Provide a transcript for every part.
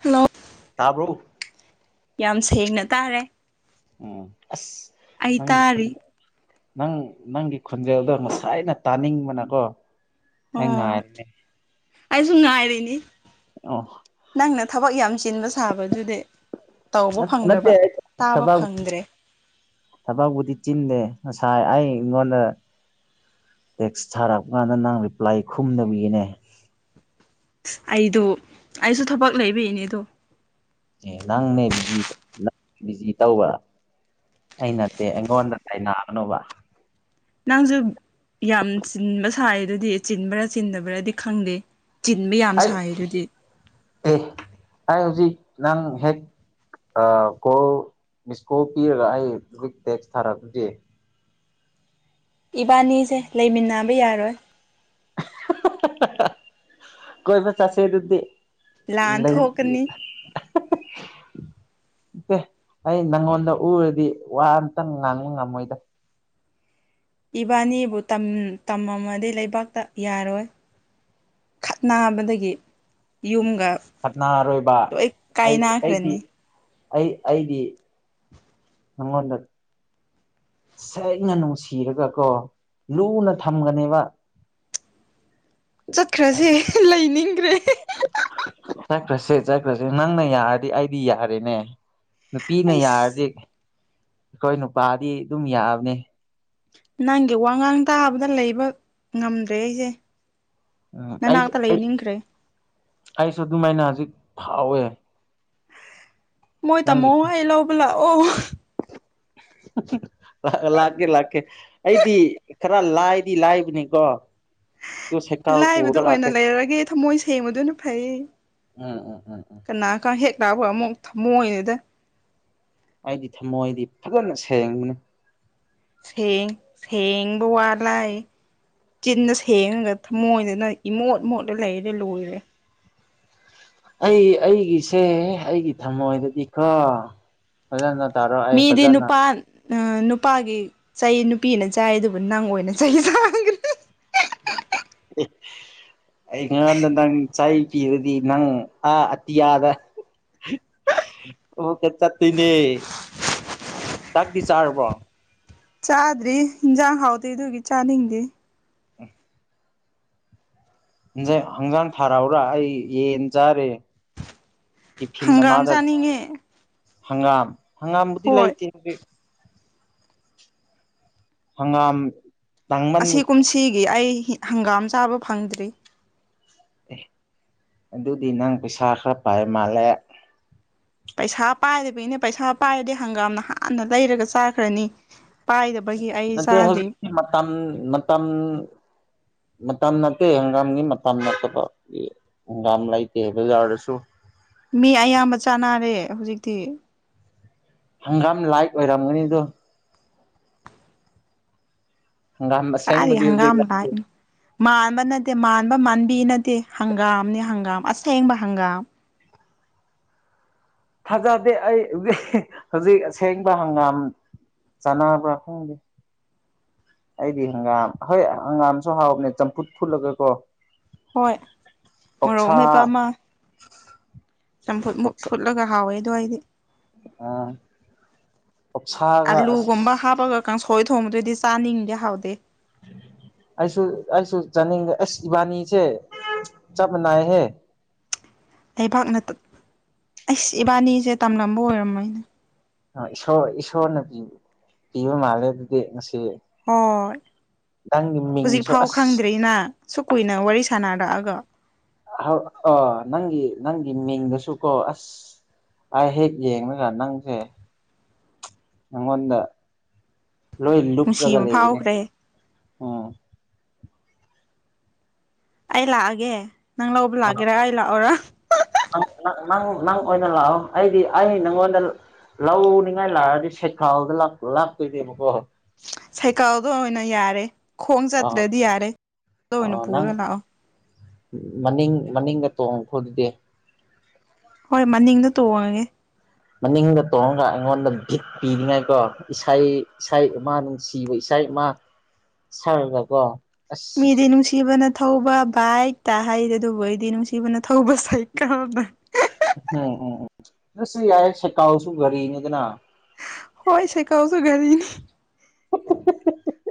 hello ꯇꯥꯕꯔꯣ ꯌꯥꯝ ꯁꯦꯡꯅ ꯇꯥꯔꯦ ꯎꯝ ꯑꯁ ꯑꯩ ꯅꯪꯒꯤ ꯇꯥꯔꯤ ꯅꯪ ꯅꯪꯒꯤ ꯈꯣꯟꯖꯦꯜꯗꯣ ꯉꯁꯥꯏ ꯇꯥꯅꯤꯡꯕꯅꯀꯣ ꯑꯩ ꯑꯣ ꯉꯥꯏꯔꯤꯅꯦ ꯑꯩꯁꯨ ꯉꯥꯏꯔꯤꯅꯤ ꯑꯣ ꯅꯪꯅ ꯊꯕꯛ ꯌꯥꯝ ꯆꯤꯟꯕ ꯁꯥꯕꯗꯨꯗꯤ ꯇꯧꯕ ꯅꯠꯇꯦ ꯐꯪꯗ꯭ꯔꯕ ꯇꯥꯕ ꯐꯪꯗ꯭ꯔꯦ ꯊꯕꯛꯕꯨꯨꯗꯤ ꯆꯤꯟꯗꯦ ꯉꯁꯥꯏ ꯑꯩꯉꯣꯟꯗ ꯇꯦꯛꯁ ꯊꯥꯔꯛꯄ ꯀꯥꯟꯗ ꯅꯪ ꯔꯤꯄ꯭ꯂꯥꯏ ꯈꯨꯝꯗꯕꯤꯒꯤꯅꯦ ꯑꯩꯗꯣ ꯑꯩꯁꯨ ꯊꯕꯛ ꯂꯩꯕꯏꯅꯦ ꯗꯣ ꯑꯦ ꯅꯪꯅꯦ ꯕꯤꯖꯤ ꯕꯤꯖꯤ ꯇꯧꯕ꯭ꯔꯥ ꯑꯩ ꯅꯠꯇꯦ ꯑꯩꯉꯣꯟꯗ ꯇꯥꯏ ꯅꯒꯅꯨꯕ ꯅꯪꯁꯨ ꯌꯥꯝ ꯆꯤꯟꯕ ꯁꯥꯏꯗꯨꯗꯤ ꯆꯤꯟꯕ꯭ꯔꯥ ꯆꯤꯟꯗꯕ꯭ꯔꯥꯗꯤ ꯈꯪꯗꯦ ꯆꯤꯟꯕ ꯌꯥꯝ ꯑꯩ ꯁꯥꯏꯗꯨꯗꯤ ꯍꯥꯏ ꯍꯧꯖꯤꯛ ꯅꯪ ꯍꯦꯛ ꯀꯣꯜ ꯃꯤꯁꯀꯣꯜ ꯄꯤꯔꯒ ꯑꯩ ꯍꯧꯖꯤꯛ ꯇꯦꯛꯁ ꯊꯥꯔꯛꯄꯗꯨꯗꯤ ꯏꯕꯥꯅꯤꯁꯦ ꯂꯩꯃꯤꯟꯅꯕ ꯌꯥꯔꯣꯏ ꯑꯥ ꯍꯤ ꯍꯤ ꯍꯤ ꯀꯣꯏꯕ ꯆꯠꯁꯦ ꯑꯗꯨꯗꯤ ꯂꯥꯟ ꯂꯩ ꯑꯥ ꯊꯣꯛꯀꯅꯤ ꯍꯥ ꯍꯥ ꯍꯤ ꯇꯦ ꯑꯩ ꯅꯪꯉꯣꯟꯗ ꯎꯔꯗꯤ ꯋꯥ ꯑꯝꯇꯪ ꯉꯥꯡꯕ ꯉꯝꯃꯣꯏꯗ ꯏꯕꯥꯅꯤꯕꯨ ꯇꯝꯃꯝꯃꯗꯤ ꯂꯩꯕꯥꯛꯇ ꯌꯥꯔꯣꯏ ꯈꯠꯅꯕꯗꯒꯤ ꯌꯨꯝ ꯈꯠꯅꯥ ꯑꯔꯣꯏꯕ ꯑꯩ ꯑꯩꯗꯤ ꯀꯥꯏꯅꯈ꯭ꯔꯅꯤ ꯑꯩ ꯑꯩꯗꯤ ꯅꯪꯉꯣꯟꯗ ꯁꯦꯡꯅ ꯅꯨꯡꯁꯤꯔꯒ ꯀꯣ ꯂꯨꯅ ꯊꯝꯒꯅꯤꯕ ꯆꯠꯈ꯭ꯔꯁꯤ ꯂꯩꯅꯤꯡꯈ꯭ꯔꯦ ꯍꯦ ꯍꯤ ꯍꯤ ꯆꯠꯁꯦ ꯆꯠꯈ꯭ꯔꯁꯦ ꯅꯪꯅ ꯌꯥꯔꯗꯤ ꯑꯩꯗꯤ ꯌꯥꯔꯦꯅꯦ ꯅꯨꯄꯤꯅ ꯌꯥꯔꯗꯤ ꯑꯩꯁ ꯑꯩꯈꯣꯏ ꯅꯨꯄꯥꯗꯤ ꯑꯗꯨꯝ ꯌꯥꯕꯅꯤ ꯅꯪꯒꯤ ꯋꯥꯉꯥꯡ ꯇꯥꯕꯗ ꯂꯩꯕ ꯉꯝꯗ꯭ꯔꯦ ꯑꯩꯁꯦ ꯎꯝ ꯑꯩ ꯅꯅꯥꯛꯇ ꯂꯩꯅꯤꯡꯈ꯭ꯔꯦ ꯑꯩꯁꯨ ꯑꯗꯨꯃꯥꯏꯅ ꯍꯧꯖꯤꯛ ꯐꯥꯎꯋꯦ ꯃꯣꯏ ꯅꯪꯒꯤ ꯇꯥꯃꯣ ꯑꯩ ꯂꯧꯕ ꯂꯥꯛꯑꯣ [unintelligible] ꯂꯥꯛꯀꯦ ꯂꯥꯛꯀꯦ ꯑꯩꯗꯤ ꯈꯔ ꯂꯥꯏꯗꯤ ꯂꯥꯏꯕꯅꯤꯀꯣ ꯑꯗꯨ ꯁꯥꯏꯀꯜ ꯂꯥꯏꯕꯗꯣ ꯄꯨꯔꯒ ꯑꯣꯏꯅ ꯂꯥꯛꯀꯦ ꯂꯩꯔꯒꯦ ꯊꯃꯣꯏ ꯁꯦꯡꯕꯗꯅ ꯐꯩ ꯎꯝ ꯎꯝ ꯎꯝ ꯀꯅꯥꯒ ꯍꯦꯛ ꯂꯥꯛꯑꯕ ꯑꯃꯨꯛ ꯊꯝꯃꯣꯅꯤꯗ ꯑꯩꯗꯤ ꯊꯝꯃꯣꯏꯗꯤ ꯐꯖꯅ ꯁꯦꯡꯕꯅꯤ ꯁꯦꯡ ꯁꯦꯡꯕ ꯋꯥ ꯂꯥꯏꯔꯤ ꯆꯤꯟꯅ ꯁꯦꯡꯉꯒ ꯊꯃꯣꯏꯗꯅ ꯏꯃꯣꯠ ꯃꯣꯠꯂ ꯂꯩꯔꯦ ꯂꯣꯏꯔꯦ ꯑꯩ ꯑꯩꯒꯤꯁꯦ ꯑꯩꯒꯤ ꯊꯝꯃꯣꯏꯗꯗꯤ ꯀꯣ ꯐꯖꯅ ꯇꯥꯔꯣ ꯑꯩ ꯃꯤꯗꯤ ꯐꯖꯅ ꯅꯨꯨꯄꯥꯥꯟ ꯅꯨꯄꯥꯒꯤ ꯆꯩ ꯅꯨꯄꯤꯅ ꯆꯥꯏ ꯑꯗꯨꯕꯨ ꯅꯪ ꯑꯣꯏꯅ ꯆꯩ ꯆꯥꯈ꯭ꯔꯦ [unintelligible] ꯎ ꯑꯩꯉꯔꯥꯡꯗ ꯅꯪ ꯆꯥꯏ ꯄꯤꯔꯗꯤ ꯅꯪ ꯑꯥ ꯑꯇꯤꯌꯥꯗ ꯑꯣ ꯆꯠ ꯇꯣꯏꯅꯦ ꯆꯥꯛꯗꯤ ꯆꯥꯔꯕ꯭ꯔꯣ ꯆꯥꯗ꯭ꯔꯤ ꯌꯦꯟꯖꯥꯡ ꯍꯥꯎꯇꯦ ꯑꯗꯨꯒꯤ ꯆꯥꯅꯤꯡꯗꯦ ꯍꯤꯟꯖꯥꯡ ꯍꯦꯟꯖꯥꯡ ꯊꯥꯔꯛꯎꯔꯥ ꯑꯩ ꯌꯦꯟ ꯆꯥꯔꯤ ꯍꯪꯒꯥꯝ ꯆꯥꯅꯤꯡꯉꯦ ꯍꯪꯒꯥꯝ ꯍꯪꯒꯥꯝꯕꯨꯗꯤ ꯍꯣꯏ ꯂꯩꯇꯦ ꯍꯧꯖꯤꯛ ꯍꯪꯒꯥꯝ ꯑꯁꯤ ꯇꯥꯡꯃꯟꯕꯒꯤ ꯀꯨꯝꯁꯤꯒꯤ ꯑꯩ ꯍꯪꯒꯥꯝ ꯆꯥꯕ ꯐꯪꯗ꯭ꯔꯤ ꯑꯦ ꯑꯗꯨꯗꯤ ꯅꯪ ꯄꯩꯁꯥ ꯈꯔ ꯄꯥꯏ ꯃꯥꯜꯂꯦ ꯄꯩꯁꯥ ꯄꯥꯏꯗꯕꯤꯒꯤꯅꯦ ꯄꯩꯁꯥ ꯄꯥꯏꯔꯗꯤ ꯍꯪꯒꯥꯝꯅ ꯍꯥꯟꯅ ꯂꯩꯔꯒ ꯆꯥꯈ꯭ꯔꯅꯤ ꯄꯥꯏꯗꯕꯒꯤ ꯑꯩ ꯅꯠꯇꯦ ꯆꯥꯗ꯭ꯔꯤ ꯍꯧꯖꯤꯛ ꯃꯇꯝ ꯃꯇꯝ ꯃꯇꯝ ꯅꯠꯇꯦ ꯍꯪꯒꯥꯝꯒꯤ ꯃꯇꯝ ꯅꯠꯇꯕ ꯍꯪꯒꯥꯝ ꯂꯩꯇꯦ ꯕꯖꯥꯔꯗꯁꯨ ꯃꯤ ꯑꯌꯥꯝꯕ ꯆꯥꯟꯅꯔꯦ ꯍꯧꯖꯤꯛꯇꯤ ꯍꯪꯒꯥꯝ ꯂꯥꯏꯛ ꯑꯣꯏꯔꯝꯒꯅꯤꯗꯣ ꯍꯪꯒꯥꯝ ꯀꯥꯏꯗꯒꯤ ꯑꯁꯦꯡꯕꯗꯤ ꯍꯧꯖꯤꯛ ꯍꯪꯒꯥꯝ ꯂꯩꯇꯦ ꯂꯥꯏꯇꯅꯣ ꯃꯥꯟꯕ ꯅꯠꯇꯦ ꯃꯥꯟꯕ ꯃꯥꯟꯕꯤ ꯅꯠꯇꯦ ꯍꯪꯒꯥꯝꯅꯤ ꯍꯪꯒꯥꯝ ꯑꯁꯦꯡꯕ ꯍꯪꯒꯥꯝ ꯐꯖꯗꯦ ꯑꯩ ꯍꯧꯖꯤꯛ ꯍꯧꯖꯤꯛ ꯑꯁꯦꯡꯕ ꯍꯪꯒꯥꯝ ꯆꯥꯟꯅꯕ꯭ꯔꯥ ꯈꯪꯗꯦ ꯑꯩꯗꯤ ꯍꯪꯒꯥꯝ ꯍꯣꯏ ꯍꯪꯒꯥꯝꯁꯨ ꯍꯥꯎꯕꯅꯦ ꯆꯝꯐꯨꯠ ꯐꯨꯜꯂꯒꯀꯣ ꯍꯣꯏ ꯃꯔꯣꯛ ꯃꯦꯠꯄꯥꯃ ꯆꯝꯐꯨꯠꯃꯨꯚ ꯑꯣꯛꯁꯥ ꯐꯨꯠꯂꯒ ꯍꯥꯎꯋꯦꯖꯣ ꯑꯩꯗꯤ ꯑꯥ ꯑꯣꯛꯁꯥꯒ ꯑꯁ ꯑꯂꯨꯒꯨꯝꯕ ꯍꯥꯞꯄꯒ ꯀꯥꯡꯁꯣꯏ ꯊꯣꯡꯕꯗꯨꯗꯤ ꯆꯥꯅꯤꯡꯗꯦ ꯍꯥꯎꯗꯦ [inaudible] ꯑꯩꯁꯨ ꯑꯩꯁꯨ ꯆꯥꯅꯤꯡꯗꯦ ꯑꯁ ꯏꯕꯥꯅꯤꯁꯦ ꯆꯞ ꯃꯅꯥꯏꯍꯦ [inaudible] ꯂꯩꯕꯥꯛꯅ ꯑꯩꯁ ꯏꯕꯥꯅꯤꯁꯦ ꯇꯝꯂꯝꯕ ꯑꯣꯏꯔꯝꯅꯤꯗ ꯏꯁꯣꯔ ꯏꯁꯣꯔꯅꯗꯤ ꯄꯤꯕ ꯃꯥꯜꯂꯦ ꯑꯗꯨꯗꯤ ꯍꯣꯏ ꯅꯪꯒꯤ ꯍꯧꯖꯤꯛ ꯃꯤꯡꯁꯨ ꯐꯥꯎ ꯑꯁ ꯈꯪꯗ꯭ꯔꯤꯅ ꯁꯨ ꯀꯨꯏꯅ ꯋꯥꯔꯤ ꯁꯥꯟꯅꯔꯛꯑꯒ ꯑꯥ ꯅꯪꯒꯤ ꯅꯪꯒꯤ ꯃꯤꯡꯗꯁꯨ ꯀꯣ ꯑꯁ ꯑꯩ ꯍꯦꯛ ꯌꯦꯡꯒ ꯅꯪꯁꯦ ꯅꯪꯉꯣꯟꯗ ꯂꯣꯏ ꯂꯨꯞꯂ꯭ꯔꯒ ꯅꯨꯡꯁꯤꯕ ꯂꯩꯕꯅꯦ ꯐꯥꯎꯈ꯭ꯔꯦ ꯎꯝ ꯑꯩ ꯂꯥꯛꯑꯒꯦ ꯅꯪ ꯂꯧꯕ ꯂꯥꯛꯒꯦꯔꯥ ꯑꯩ ꯂꯥꯛꯑꯣꯔꯥ ꯅꯪ ꯅꯪ ꯅꯪ ꯑꯣꯏꯅ ꯂꯥꯛꯑꯣ ꯑꯩꯗꯤ ꯑꯩ ꯅꯪꯉꯣꯟꯗ ꯂꯧꯅꯤꯡꯉꯥꯏ ꯂꯥꯛꯑꯗꯤ ꯁꯦꯀꯥꯜꯗ ꯂꯛ ꯂꯥꯛꯇꯣꯏꯅꯦꯕꯀꯣ ꯁꯥꯏꯀꯥꯎꯗꯣ ꯑꯣꯏꯅ ꯌꯥꯔꯦ ꯈꯣꯡ ꯑꯥ ꯆꯠꯇ꯭ꯔꯗꯤ ꯌꯥꯔꯦ ꯑꯗꯨ ꯑꯣꯏꯅ ꯑꯥ ꯅꯪ ꯄꯨꯔ ꯂꯥꯛꯑꯣ ꯃꯅꯤꯡ ꯃꯅꯤꯡꯒ ꯇꯣꯡꯉꯈ꯭ꯔꯣ ꯑꯗꯨꯗꯤ ꯍꯣꯏ ꯃꯅꯤꯡꯗ ꯇꯣꯡꯉꯒꯦ ꯃꯅꯤꯡꯗ ꯇꯣꯡꯉꯒ ꯑꯩꯉꯣꯟꯗ ꯕꯤꯠ ꯄꯤꯅꯤꯉꯥꯏꯀꯣ ꯏꯁꯩ ꯏꯁꯩ ꯑꯃꯥ ꯅꯨꯡꯁꯤꯕ ꯏꯁꯩ ꯁꯩ ꯑꯃꯥ ꯁꯥꯛꯑꯒꯀꯣ ꯃꯤꯗꯤ ꯅꯨꯡꯁꯤꯕꯅ ꯊꯧꯕ ꯕꯥꯢꯛ ꯇꯥ ꯍꯥꯏꯗꯤ ꯑꯗꯨꯕꯨ ꯑꯩꯗꯤ ꯅꯨꯡꯁꯤꯕꯅ ꯊꯧꯕ ꯁꯥꯏꯀꯥꯜꯗ ꯎꯝ ꯎꯝ ꯑꯗꯨꯁꯨ ꯌꯥꯏ ꯁꯥꯏꯀꯥꯜꯁꯨ ꯒꯥꯔꯤꯅꯤꯗꯅ ꯍꯣꯏ ꯁꯀꯥꯎꯁꯨ ꯒꯔꯤꯅꯦ [unintelligible]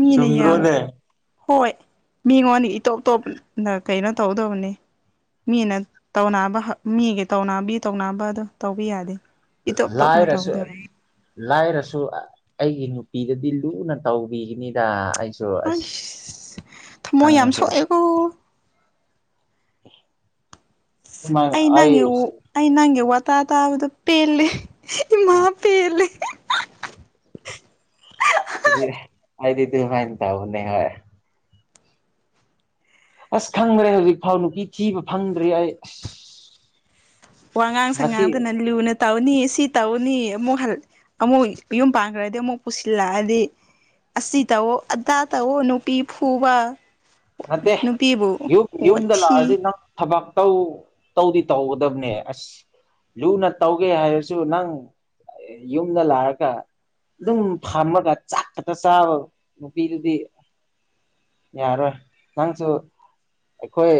ꯃꯤꯅ ꯌꯥꯝ ꯆꯨꯝꯗ꯭ꯔꯣꯅꯦ ꯍꯣꯏ ꯃꯤꯉꯣꯟꯅꯤ ꯏꯇꯣꯞ ꯇꯣꯞꯅ ꯀꯩꯅꯣ ꯇꯧꯗꯧꯕꯅꯤ ꯃꯤꯅ ꯇꯧꯅꯕ ꯃꯤꯒꯤ ꯇꯧꯅꯥꯕꯤ ꯇꯧꯅꯕꯗꯣ ꯇꯧꯕ ꯌꯥꯗꯦ ꯏꯇꯣꯞ ꯇꯣꯞꯅ ꯂꯥꯏꯔꯁꯨ ꯑꯩ ꯇꯧꯒꯗꯕꯅꯤ ꯂꯥꯏꯔꯁꯨ ꯑꯩꯒꯤ ꯅꯨ ꯄꯤꯗꯨꯗꯤ ꯂꯨꯅ ꯇꯧꯕꯤꯒꯅꯤꯗ ꯑꯁ ꯊꯃꯣꯏ ꯌꯝ ꯅꯪꯁꯨ ꯁꯣꯛꯑꯦꯀꯣ [inaudible] ꯑꯩ ꯅꯪꯒꯤ ꯑꯩ ꯅꯪꯒꯤ ꯋꯥꯇꯥ ꯇꯥꯕꯗ ꯄꯦꯜꯂꯦ ꯑꯣ ꯏꯃꯥ ꯄꯦꯜꯂꯦ [unintelligible] ꯍꯥꯏꯗꯤ ꯑꯗꯨ ꯍꯤꯏꯕ ꯇꯥꯕꯅꯦ ꯍꯣꯢ ꯑꯁ ꯈꯪꯗ꯭ꯔꯦ ꯍꯧꯖꯤꯛꯐꯥꯎ ꯅꯨꯄꯤ ꯊꯤꯕ ꯐꯪꯗ꯭ꯔꯤ ꯑꯩ ꯑꯁ ꯋꯥꯉꯥꯡ ꯉꯁꯤ ꯁꯉꯥꯡꯗꯅ ꯂꯨꯅ ꯇꯧꯅꯤ ꯁꯤ ꯇꯧꯅꯤ ꯑꯃꯨꯛ ꯍꯜ ꯑꯃꯨꯛ ꯌꯨꯝ ꯄꯥꯟꯈ꯭ꯔꯗꯤ ꯑꯃꯨꯛ ꯄꯨꯁꯤꯜꯂꯛꯑꯗꯤ ꯑꯁꯤ ꯇꯧꯑꯣ ꯑꯗꯥ ꯇꯧꯑꯣ ꯅꯨꯄꯤ ꯐꯨꯕ ꯅꯠꯇꯦ ꯅꯨꯄꯤꯕꯨ ꯌꯨꯝ ꯌꯨꯝꯗ ꯂꯥꯛꯑꯗꯤ ꯋꯥꯊꯤ ꯅꯪ ꯊꯕꯛ ꯇꯧ ꯇꯧꯗꯤ ꯇꯧꯒꯗꯕꯅꯦ ꯑꯁ ꯂꯨꯅ ꯇꯧꯒꯦ ꯍꯥꯏꯔꯁꯨ ꯅꯪ ꯌꯨꯝꯗ ꯂꯥꯛꯑꯒ ꯑꯗꯨꯝ ꯐꯝꯃꯒ ꯆꯥꯛ ꯈꯛꯇ ꯆꯥꯕ ꯅꯨꯄꯤꯗꯨꯗꯤ ꯌꯥꯔꯣꯏ ꯅꯪꯁꯨ ꯑꯩꯈꯣꯏ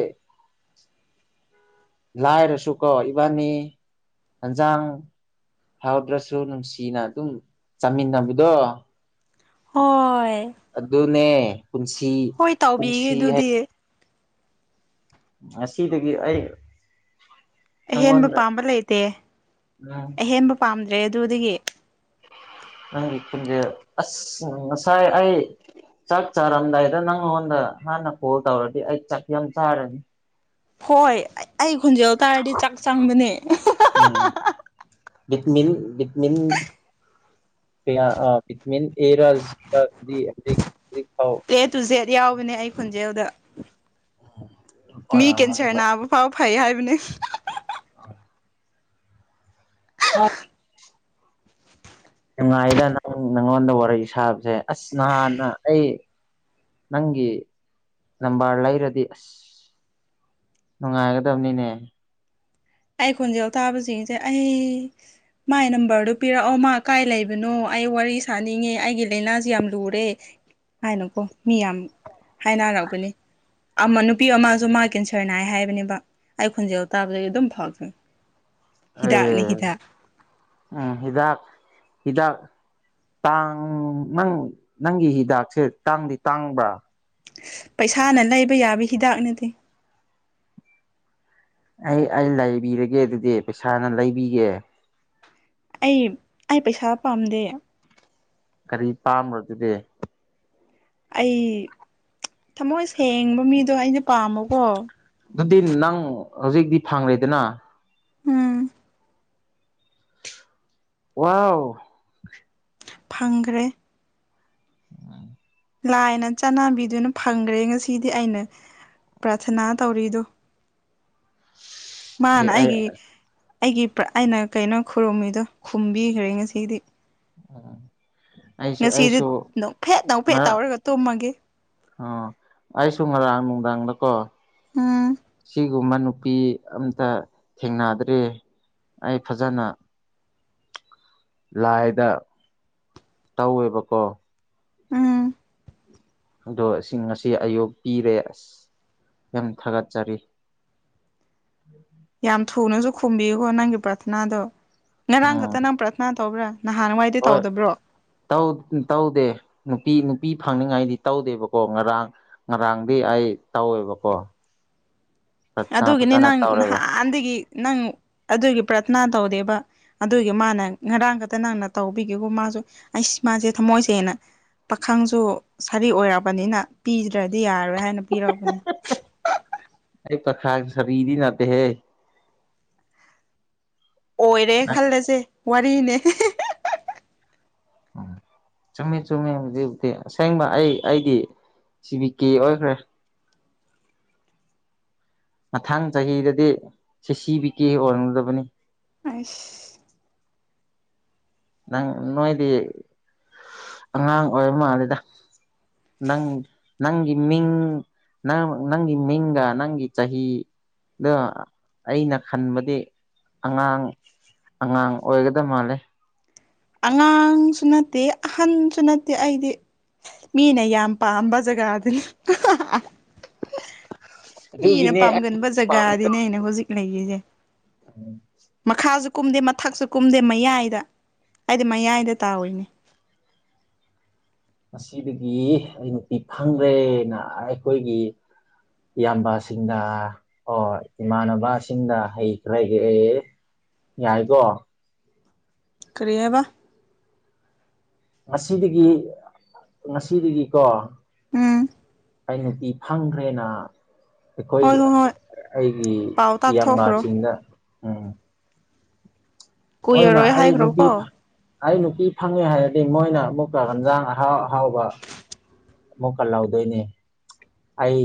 ꯂꯥꯏꯔꯁꯨ ꯀꯣ ꯏꯕꯥꯅꯤ ꯍꯦꯟꯖꯥꯡ ꯍꯥꯎꯗ꯭ꯔꯁꯨ ꯅꯨꯡꯁꯤꯅ ꯑꯗꯨꯝ ꯆꯥꯃꯤꯟꯅꯕꯗꯣ ꯍꯣꯏ ꯑꯗꯨꯅꯦ ꯄꯨꯟꯁꯤ ꯍꯣꯏ ꯇꯧꯕꯤꯒꯦ ꯄꯨꯟꯁꯤ ꯍꯥꯏ ꯑꯗꯨꯗꯤ ꯉꯁꯤꯗꯒꯤ ꯑꯩ ꯑꯍꯦꯟꯕ ꯅꯪꯉꯣꯟꯗ ꯄꯥꯝꯕ ꯂꯩꯇꯦ ꯑꯍꯦꯟꯕ ꯄꯥꯝꯗ꯭ꯔꯦ ꯑꯗꯨꯗꯒꯤ ꯅꯪꯉꯤ ꯈꯨꯟꯖꯦ ꯑꯁ ꯉꯁꯥꯏ ꯑꯩ ꯆꯥꯛ ꯆꯥꯔꯝꯗꯥꯏꯗ ꯅꯪꯉꯣꯟꯗ ꯍꯥꯟꯅ ꯀꯣꯜ ꯇꯧꯔꯗꯤ ꯑꯩ ꯆꯥꯛ ꯌꯥꯝ ꯆꯥꯔꯅꯤ ꯍꯣꯏ ꯑꯩ ꯈꯣꯟꯖꯦꯜ ꯇꯥꯔꯗꯤ ꯆꯥꯛ ꯆꯪꯕꯅꯦ [unintelligible] ꯀꯌꯥ ꯑ ꯄꯤꯛꯃꯦꯟꯇ ꯑꯦꯔꯥ ꯁꯤꯔ ꯗꯤ [unintelligible] [unintelligible] ꯌꯥꯎꯕꯅꯦ ꯑꯩ [unintelligible] ꯑꯗꯨꯝ ꯃꯤ ꯀꯦꯟꯁꯔ ꯑꯣꯏꯔꯝꯒꯅꯤꯕ ꯅꯥꯕ ꯐꯥꯎ ꯐꯩ ꯍꯥꯏꯕꯅꯦ ꯍꯣꯢ ꯍꯥꯠ ꯀꯅꯥꯏꯗ ꯅꯪ ꯅꯪꯉꯣꯟꯗ ꯋꯥꯔꯤ ꯁꯥꯕꯖꯦ ꯑꯁ ꯅꯍꯥꯟꯅ ꯑꯩ ꯅꯪꯒꯤ ꯅꯝꯕꯔ ꯂꯩꯔꯗꯤ ꯑꯁ ꯅꯨꯡꯉꯥꯏꯒꯗꯕꯅꯤꯅꯦ ꯑꯩ ꯈꯣꯟꯖꯦꯜ ꯇꯥꯕꯖꯤꯡꯁꯦ ꯑꯩ ꯃꯥꯏ ꯅꯝꯕꯔꯗꯨ ꯄꯤꯔꯛꯑꯣ ꯃꯥ ꯀꯥꯏ ꯂꯩꯕꯅꯣ ꯑꯩ ꯋꯥꯔꯤ ꯁꯥꯅꯤꯡꯉꯦ ꯑꯩꯒꯤ ꯂꯥꯏꯅꯥꯖꯤ ꯌꯥꯝ ꯂꯨꯔꯦ ꯍꯥꯏꯅꯀꯣ ꯃꯤ ꯌꯥꯝ ꯍꯥꯏꯅꯔꯛꯄꯅꯤ ꯑꯃ ꯅꯨꯄꯤ ꯑꯃꯁꯨ ꯃꯥ ꯀꯦꯟꯁꯔꯅꯥꯏ ꯍꯥꯏꯕꯅꯦꯕ ꯑꯩ ꯈꯣꯟꯖꯦꯜ ꯇꯥꯕꯗꯒꯤ ꯑꯗꯨꯝ ꯐꯥꯈ꯭ꯔꯤꯅꯤ ꯑ ꯑꯩ ꯎꯝ ꯍꯤꯗꯥꯛ ꯍꯤꯗꯥꯛ ꯇꯥꯡ ꯅꯪ ꯅꯪꯒꯤ ꯍꯤꯗꯥꯛꯁꯦ ꯇꯥꯡꯗꯤ ꯇꯥꯡꯕ꯭ꯔ ꯄꯩꯁꯥꯅ ꯂꯩꯕ ꯌꯥꯕ ꯍꯤꯗꯥꯛꯅꯠꯇꯦ ꯑꯩ ꯑꯩ ꯂꯩꯕꯤꯔꯒꯦ ꯑꯗꯨꯗꯤ ꯄꯩꯁꯥꯅ ꯂꯩꯕꯤꯒꯦ ꯑꯩ ꯑꯩ ꯄꯩꯁꯥ ꯄꯥꯝꯗꯦ ꯀꯔꯤ ꯄꯥꯝꯕ꯭ꯔ ꯑꯗꯨꯗꯤ ꯑꯩ ꯊꯃꯣꯏ ꯁꯦꯡꯕ ꯃꯤꯗꯣ ꯑꯩꯅ ꯄꯥꯝꯕꯀꯣ ꯑꯗꯨꯗꯤ ꯅꯪ ꯍꯧꯖꯤꯛꯇꯤ ꯐꯪꯂꯤꯗꯅ ꯎꯝ ꯋꯥꯎ ꯐꯪꯒ꯭ꯔꯦ ꯂꯥꯏꯅ ꯆꯠꯅꯕꯤꯗꯨꯅ ꯐꯪꯈ꯭ꯔꯦ ꯉꯁꯤꯗꯤ ꯑꯩꯅ ꯄ꯭ꯔꯥꯊꯅꯥ ꯇꯧꯔꯤꯗꯣ ꯑꯩ ꯃꯥꯅ ꯑꯩ ꯑꯩꯒꯤ ꯑꯩꯒꯤ ꯑꯩꯅ ꯀꯩꯅꯣ ꯈꯨꯔꯨꯝꯃꯤꯗꯣ ꯈꯨꯝꯕꯤꯈ꯭ꯔꯦ ꯉꯁꯤꯗꯤ ꯎꯝ ꯉꯁꯤꯗꯤ ꯅꯣꯛꯐꯦꯠ ꯅꯣꯛꯐꯦꯠ ꯉꯔꯥꯡ ꯇꯧꯔꯒ ꯇꯨꯝꯃꯒꯦ ꯑꯣ ꯑꯩꯁꯨ ꯉꯔꯥꯡ ꯅꯨꯡꯗꯥꯡꯗꯀꯣ ꯎꯝ ꯁꯤ ꯒꯨꯝꯕ ꯅꯨꯄꯤ ꯑꯝꯇ ꯊꯦꯡꯅꯗ꯭ꯔꯦ ꯑꯩ ꯐꯖꯅ ꯂꯥꯏꯗ ꯇꯧꯋꯦꯕꯀꯣ ꯎꯝ ꯑꯗꯣꯁꯤꯡ ꯉꯁꯤ ꯑꯌꯨꯛ ꯄꯤꯔꯦ ꯑꯁ ꯌꯥꯝ ꯊꯥꯒꯠꯆꯔꯤ ꯎꯝ [inaudible] ꯌꯥꯝ ꯊꯨꯅꯁꯨ ꯈꯨꯝꯕꯤꯌꯨꯀꯣ ꯅꯪꯒꯤ ꯄ꯭ꯔꯊꯅꯥꯗꯣ ꯉꯔꯥꯡ ꯎꯝ ꯈꯛꯇ ꯅꯪ ꯄ꯭ꯔꯊꯅꯥ ꯇꯧꯕ꯭ꯔꯥ ꯅꯍꯥꯟꯋꯥꯏꯗꯤ ꯍꯣꯏ ꯇꯧꯗꯕ꯭ꯔꯣ ꯇꯧꯗꯦ ꯅꯨꯄꯤ ꯅꯨꯄꯤ ꯐꯪꯅꯤꯡꯉꯥꯏꯗꯤ ꯇꯧꯗꯦꯕꯀꯣ ꯉꯔꯥꯡ ꯉꯔꯥꯡꯗꯤ ꯑꯩ ꯇꯧꯋꯦꯕꯀꯣ ꯄ꯭ꯔꯊꯅꯥ ꯑꯗꯨꯒꯤꯅꯤ ꯐꯖꯅ ꯅꯪ ꯇꯧꯔꯦꯕ ꯅꯍꯥꯟꯗꯒꯤ ꯅꯪ ꯑꯗꯨꯒꯤ ꯄ꯭ꯔꯠ ꯊꯅꯥ ꯇꯧꯗꯦꯕ ꯑꯗꯨꯒꯤ ꯃꯥꯅ ꯉꯔꯥꯡ ꯈꯛꯇ ꯅꯪꯅ ꯇꯧꯕꯤꯒꯦꯒꯨ ꯃꯥꯁꯨ ꯑꯩꯁ ꯃꯥꯁꯦ ꯊꯃꯣꯏ ꯇꯦꯅ ꯄꯥꯈꯪꯁꯨ ꯁꯥꯔꯤ ꯑꯣꯏꯔꯕꯅꯤꯅ ꯄꯤꯗ꯭ꯔꯗꯤ ꯌꯥꯔꯔꯣꯏ ꯍꯥꯏꯅ ꯄꯤꯔꯛꯄꯅꯤ ꯑꯩ ꯄꯈꯪ ꯁꯔꯤꯗꯤ ꯅꯠꯇꯦ ꯍꯦ ꯑꯣꯏꯔꯦ ꯈꯜꯂꯁꯦ ꯋꯥꯔꯤꯅꯦ ꯎꯝ ꯆꯨꯝꯃꯦ ꯆꯨꯝꯃꯦ ꯍꯧꯖꯤꯛꯇꯤ ꯑꯁꯦꯡꯕ ꯑꯩ ꯑꯩꯗꯤ ꯁꯤꯕꯤ ꯀꯦ ꯑꯣꯏꯈ꯭ꯔꯦ ꯃꯊꯥꯡ ꯆꯍꯤꯗꯗꯤ ꯁꯤ ꯁꯤ ꯕꯤ ꯀꯦ ꯑꯣꯟꯒꯗꯕꯅꯤ ꯑꯩꯁ ꯅꯪ ꯅꯣꯏꯗꯤ ꯑꯉꯥꯡ ꯑꯣꯏ ꯃꯥꯜꯂꯤꯗ ꯅꯪ ꯅꯪꯒꯤ ꯃꯤꯡ ꯅꯪ ꯅꯪꯒꯤ ꯃꯤꯡꯒꯥ ꯅꯪꯒꯤ ꯆꯍꯤ ꯑꯗꯣ ꯑꯩꯅ ꯈꯟꯕꯗꯤ ꯑꯉꯥꯡ ꯑꯉꯥꯡ ꯑꯣꯏꯒꯗꯃꯥꯜꯂꯦ ꯑꯉꯥꯡꯁꯨ ꯅꯠꯇꯦ ꯑꯍꯟꯁꯨ ꯅꯠꯇꯦ ꯑꯩꯗꯤ ꯃꯤꯅ ꯌꯥꯝ ꯄꯥꯝꯕ ꯖꯒꯥꯗꯨꯅꯤ ꯍꯥ ꯍꯥ ꯃꯤꯅ ꯑꯗꯨꯒꯤꯅꯦ ꯑꯩ ꯄꯥꯝꯒꯟꯕ ꯖꯒꯥꯗꯤꯅꯦ ꯑꯩꯅ ꯍꯧꯖꯤꯛ ꯂꯩꯔꯤꯁꯦ ꯎꯝ ꯃꯈꯥꯁꯨ ꯀꯨꯝꯗꯦ ꯃꯊꯛꯁꯨ ꯀꯨꯝꯗꯦ ꯃꯌꯥꯏꯗ ꯑꯩꯗꯤ ꯃꯌꯥꯏꯗ ꯇꯥꯎꯏꯅꯦ [inaudible] ꯉꯁꯤꯗꯒꯤ ꯑꯩ ꯅꯨꯄꯤ ꯐꯪꯗ꯭ꯔꯦꯅ ꯑꯩꯈꯣꯏꯒꯤ ꯏꯌꯥꯝꯕꯁꯤꯡꯗ ꯑꯣ ꯏꯃꯥꯟꯅꯕꯁꯤꯡꯗ ꯍꯩꯈ꯭ꯔꯒꯦ ꯑꯩ ꯌꯥꯏꯀꯣ ꯀꯔꯤ ꯍꯥꯏꯕ ꯉꯁꯤꯗꯒꯤ ꯉꯁꯤꯗꯒꯤꯀꯣ ꯎꯝ ꯑꯩ ꯅꯄꯤ ꯐꯪꯈ꯭ꯔꯦꯅ ꯑꯩꯈꯣꯏ ꯍꯣꯏ ꯍꯣꯏ ꯍꯣꯏ ꯑꯩꯒꯤ ꯄꯥꯎ ꯇꯥꯛꯊꯣꯛꯈ꯭ꯔꯣ ꯏꯌꯥꯝꯕꯁꯤꯡꯅ ꯎꯝ ꯍꯣꯏꯅ ꯀꯨꯏꯔꯔꯣꯏ ꯑꯩ ꯅꯨꯄꯤ ꯍꯥꯏꯈ꯭ꯔꯣꯀꯣ ꯐꯪ ꯑꯩ ꯅꯨꯄꯤ ꯐꯪꯉꯦ ꯍꯥꯏꯔꯗꯤ ꯃꯣꯏꯅ ꯑꯃꯨꯛꯀ ꯍꯟꯖꯥꯡ ꯑꯍꯥꯎ ꯑꯍꯥꯎꯕ ꯑꯃꯨꯛꯀ ꯂꯥꯎꯗꯣꯏꯅꯦ ꯑꯩ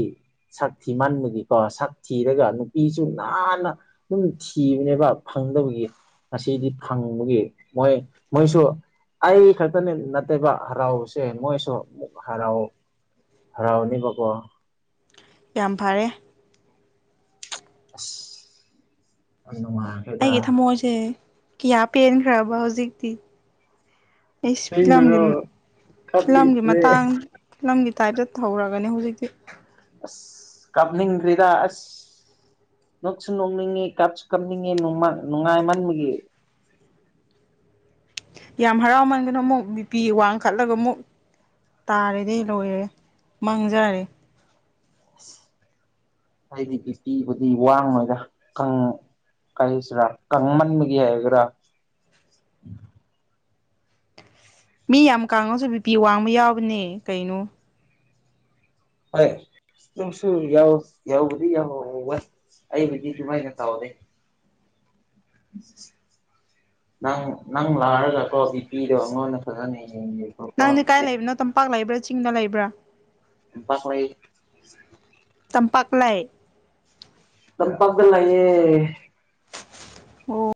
ꯁꯛ ꯊꯤ ꯃꯟꯕꯒꯤꯀꯣ ꯁꯛ ꯊꯤꯔꯒ ꯅꯨꯄꯤꯁꯨ ꯅꯥꯟꯅ ꯑꯗꯨꯝ ꯊꯤꯕꯅꯦꯕ ꯐꯪꯗꯕꯒꯤ ꯑꯁꯤꯗꯤ ꯐꯪꯕꯒꯤ ꯃꯣꯏ ꯃꯣꯏꯁꯨ ꯑꯩ ꯈꯛꯇꯅꯤ ꯅꯠꯇꯦꯕ ꯍꯔꯥꯎꯁꯦ ꯃꯣꯏꯁꯨ ꯍꯔꯥꯎ ꯍꯔꯥꯎꯅꯤꯕꯀꯣ ꯌꯥꯝ ꯐꯔꯦ ꯑꯁ ꯌꯥꯝ ꯅꯨꯡꯉꯥꯏꯈ꯭ꯔꯦꯗ ꯑꯩꯒꯤ ꯊꯃꯣꯏꯁꯦ ꯀꯌꯥ ꯄꯦꯟꯈ꯭ꯔꯕ ꯍꯧꯖꯤꯛꯇꯤ ꯑꯩꯁꯤ ꯐꯤꯂꯝꯒꯤ ꯑꯁꯦꯡꯕꯩꯔꯣ ꯐꯤꯂꯝꯒꯤ ꯀꯞꯅꯤꯡꯈ꯭ꯔꯦ ꯃꯇꯥꯡ ꯐꯤꯂꯝꯒꯤ ꯇꯥꯏꯞꯇ ꯇꯧꯔꯕꯅꯤ ꯍꯧꯖꯤꯛꯇꯤ ꯑꯁ ꯀꯞꯅꯤꯡ ꯈꯔꯦꯗꯥ ꯑꯁ ꯅꯣꯛꯁꯨ ꯅꯣꯛꯅꯤꯡꯉꯤ ꯀꯥꯞꯁꯨ ꯀꯥꯞꯅꯤꯡꯉꯤ ꯅꯨꯡꯉꯥꯏ ꯃꯥꯟꯕꯒꯤ ꯌꯥꯝ ꯍꯔꯥꯎꯃꯟꯒꯅꯣ ꯑꯃꯨꯛ ꯕꯤꯄꯤ ꯋꯥꯡꯈꯠꯂꯒ ꯑꯃꯨꯛ ꯇꯥꯔꯗꯤ ꯂꯣꯏꯔꯦ ꯃꯥꯡꯖꯔꯦ ꯑꯩꯗꯤ ꯕꯤꯄꯤꯕꯨꯗꯤ ꯋꯥꯉꯣꯏꯗ ꯀꯪ ꯀꯩ ꯍꯥꯏꯁꯤꯔ ꯀꯪꯃꯟ ꯕꯒꯤ ꯍꯥꯏꯒꯦꯔꯥ ꯃꯤ ꯌꯥꯝ ꯀꯪꯉꯥꯁꯨ ꯕꯤꯄꯤ ꯋꯥꯡꯕ ꯌꯥꯎꯕꯅꯦ ꯀꯩꯅꯣ ꯍꯣꯏ ꯑꯗꯨꯁꯨ ꯌꯥꯎ ꯌꯥꯎꯕꯗꯤ ꯌꯥꯎ ꯋꯦ ꯑꯩꯕꯨꯗꯤ ꯇꯨꯃꯥꯏꯅ ꯇꯥꯎꯗꯦ ꯅꯪ ꯅꯪ ꯂꯥꯛꯔꯒ ꯀꯣ ꯕꯤꯄꯤꯗꯣ ꯑꯩꯉꯣꯟꯗ ꯐꯖꯅ ꯌꯦꯡꯕꯤꯌꯨꯀꯣ ꯅꯪꯗꯤ ꯀꯥꯏ ꯂꯩꯕꯅꯣ ꯇꯝꯄꯥꯛ ꯂꯩꯕ꯭ꯔꯥ ꯆꯤꯡꯗ ꯂꯩꯕ꯭ꯔꯥ ꯇꯝꯄꯥꯛ ꯂꯩ ꯇꯝꯄꯥꯛ ꯂꯩ ꯇꯝꯄꯥꯛꯗ ꯂꯩꯩꯑꯦ ꯑꯣ